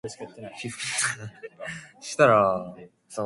He flew from Dover to Calais.